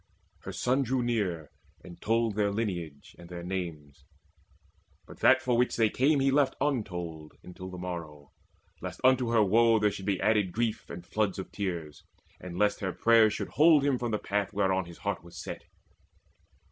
Her son Drew near and told their lineage and their names; But that for which they came he left untold Until the morrow, lest unto her woe There should be added grief and floods of tears, And lest her prayers should hold him from the path Whereon his heart was set.